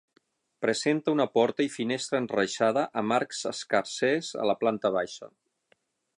Presenta una porta i finestra enreixada amb arcs escarsers a la planta baixa.